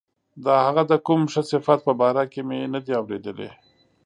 د هغه د کوم ښه صفت په باره کې مې نه دي اوریدلي.